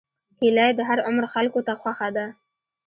هیلۍ د هر عمر خلکو ته خوښه ده